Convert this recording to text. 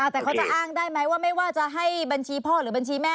แต่เขาจะอ้างได้ไหมว่าไม่ว่าจะให้บัญชีพ่อหรือบัญชีแม่